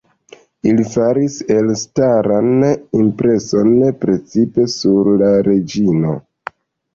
Ili faris elstaran impreson, precipe sur la reĝino.